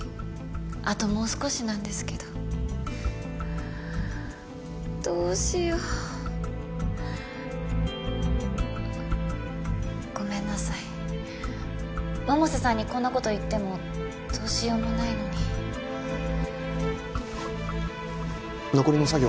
あともう少しなんですけどどうしようあっごめんなさい百瀬さんにこんなこと言ってもどうしようもないのに残りの作業